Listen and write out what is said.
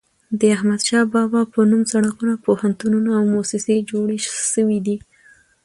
د احمد شاه بابا په نوم سړکونه، پوهنتونونه او موسسې جوړي سوي دي.